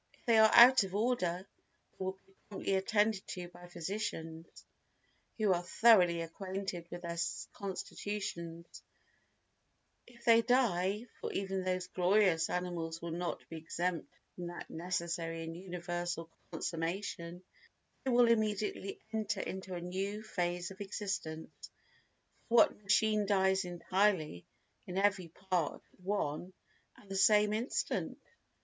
If they are out of order they will be promptly attended to by physicians who are thoroughly acquainted with their constitutions; if they die, for even these glorious animals will not be exempt from that necessary and universal consummation, they will immediately enter into a new phase of existence, for what machine dies entirely in every part at one and the same instant?